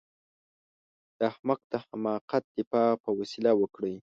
د احمق د حماقت دفاع په وسيله وکړئ.